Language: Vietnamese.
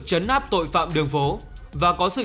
chấn áp tội phạm đường phố và có sự